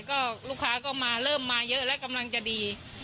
ก็ลูกค้าก็มาเริ่มมาเยอะแล้วกำลังจะดี